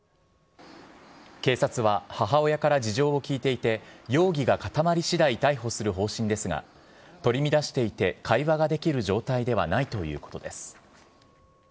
警察は、母親から事情を聴いていて、容疑が固まりしだい逮捕する方針ですが、取り乱していて会話ができる状態ではないということです。